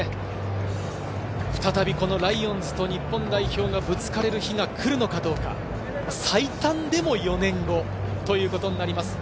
再び、このライオンズと日本代表がぶつかれる日が来るのかどうか、最短でも４年後ということになります。